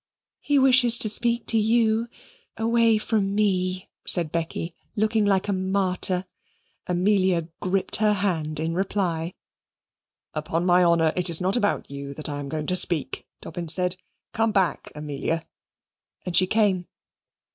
"He wishes to speak to you away from me," said Becky, looking like a martyr. Amelia gripped her hand in reply. "Upon my honour it is not about you that I am going to speak," Dobbin said. "Come back, Amelia," and she came.